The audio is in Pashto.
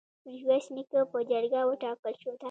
میرویس نیکه په جرګه وټاکل شو.